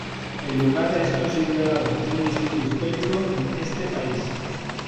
El lugar es considerado un Distrito Histórico en este país.